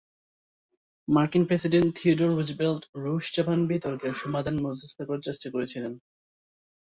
মার্কিন president Theodore Roosevelt রুশ-জাপান বিতর্কের সমাধানে মধ্যস্থতা করার চেষ্টা করছিলেন।